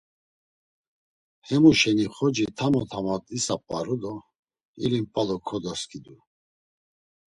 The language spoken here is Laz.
Hemu şeni xoci tamo tamo disap̌aru do ilimpalu kodoskidu.